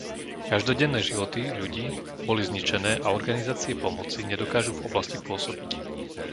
Každodenné životy ľudí boli zničené a organizácie pomoci nedokážu v oblasti pôsobiť.